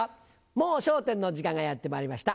『もう笑点』の時間がやってまいりました。